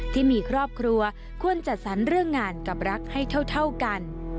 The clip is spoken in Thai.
ที่มีครอบครัวควรจัดสรรเรื่องงานกับรักให้เท่ากัน